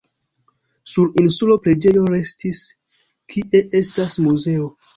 Sur insulo preĝejo restis, kie estas muzeo.